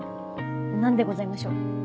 何でございましょう？